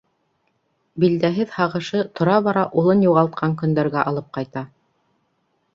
Билдәһеҙ һағышы тора-бара улын юғалтҡан көндәргә алып ҡайта.